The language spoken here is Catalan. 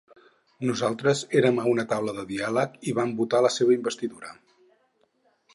Nosaltres érem a una taula de diàleg i vam votar la seva investidura.